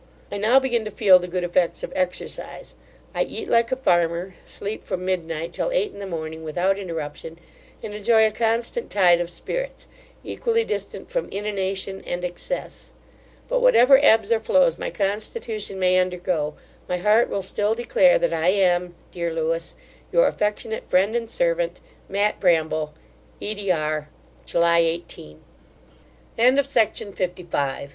I now begin to feel the good effects of exercise I eat like a farmer, sleep from mid night till eight in the morning without interruption, and enjoy a constant tide of spirits, equally distant from inanition and excess; but whatever ebbs or flows my constitution may undergo, my heart will still declare that I am, Dear Lewis, Your affectionate friend and servant, MATT. BRAMBLE EDR. July 18. To Mrs MARY JONES, at Brambleton hall. DEAR MARY, The 'squire